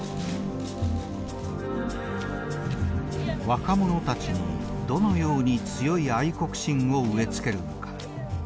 若者たちにどのように強い愛国心を植えつけるのか。